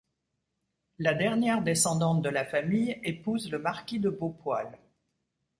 La dernière descendante de la famille épouse le marquis de Beaupoil.